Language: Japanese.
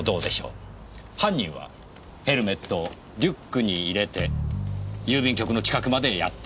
犯人はヘルメットをリュックに入れて郵便局の近くまでやってきた。